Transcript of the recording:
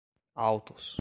autos